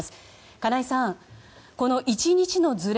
金井さん、１日のずれ